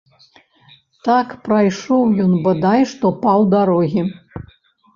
Так прайшоў ён бадай што паўдарогі.